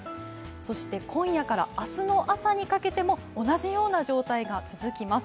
そして今夜から明日の朝にかけても同じような状態が続きます。